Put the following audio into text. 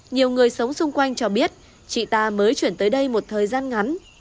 nhiều người sống xung quanh cho biết chị ta mới chuyển tới đây một thời gian ngắn